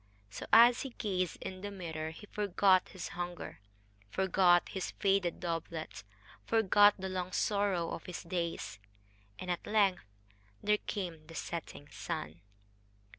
So, as he gazed in the mirror, he forgot his hunger, forgot his faded doublet, forgot the long sorrow of his days and at length there came the setting sun.